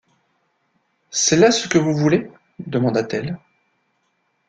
C’est là ce que vous voulez? demanda-t-elle.